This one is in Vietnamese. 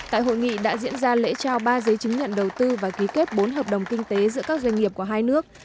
tại hội nghị đã diễn ra lễ trao ba giấy chứng nhận đầu tư và ký kết bốn hợp đồng kinh tế giữa các doanh nghiệp của hai nước